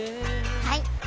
はい！